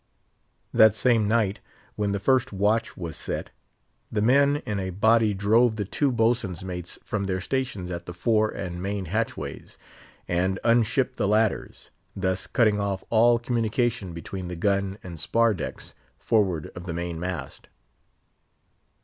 That same night, when the first watch was set, the men in a body drove the two boatswain's mates from their stations at the fore and main hatchways, and unshipped the ladders; thus cutting off all communication between the gun and spar decks, forward of the main mast.